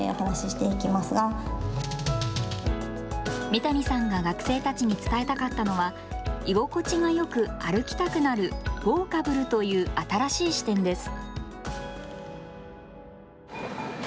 三谷さんが学生たちに伝えたかったのは居心地がよく歩きたくなるウォーカブルという新しい視点です。